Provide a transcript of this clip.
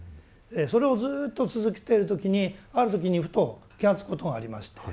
それをずっと続けてる時にある時にふと気が付くことがありまして。